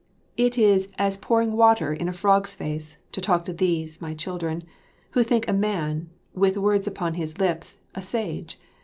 It is "as pouring water in a frog's face" to talk to these, my children, who think a man, with words upon his lips, a sage.